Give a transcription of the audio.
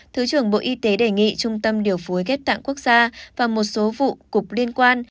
thứ trưởng bộ y tế đề nghị trung tâm điều phối ghép tạng quốc gia và một số vụ cục liên quan